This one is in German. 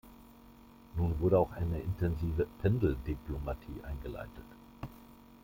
Nun wurde auch eine intensive Pendeldiplomatie eingeleitet.